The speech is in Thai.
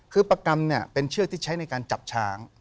คือประกรรมเป็นเชือกที่ใช้ในการจับช้าง